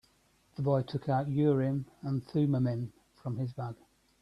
The boy took out Urim and Thummim from his bag.